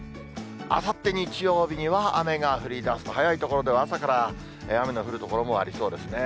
あさって日曜日には雨が降りだすと、早い所では朝から雨の降る所もありそうですね。